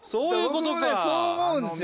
僕もねそう思うんですよ。